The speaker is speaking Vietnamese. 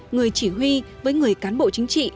người chỉ huy với người cán bộ chính trị